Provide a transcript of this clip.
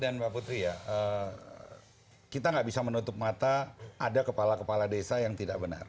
dan pak putri ya kita gak bisa menutup mata ada kepala kepala desa yang tidak benar